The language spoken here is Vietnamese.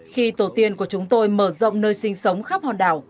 khi tổ tiên của chúng tôi mở rộng nơi sinh sống khắp hòn đảo